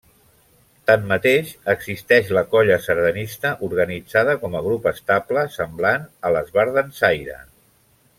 Tanmateix, existeix la colla sardanista organitzada com a grup estable, semblant a l'esbart dansaire.